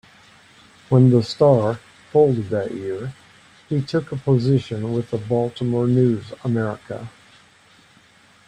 When the "Star" folded that year, he took a position with the "Baltimore News-American".